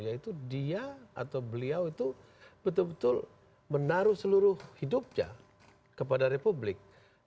yaitu dia atau beliau itu betul betul menaruh seluruh hidupnya kepada republik